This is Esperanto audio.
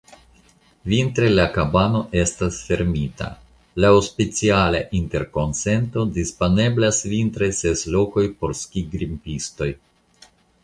Vintre la kabano estas fermita; laŭ speciala interkonsento disponeblas vintre ses lokoj por skigrimpistoj.